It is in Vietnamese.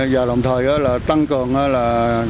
và đồng thời tăng cường là